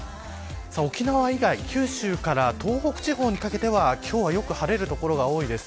沖縄以外九州から東北地方にかけては今日はよく晴れる所が多いです。